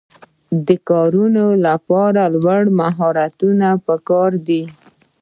د کارونو لپاره لوړ مهارتونه پکار دي.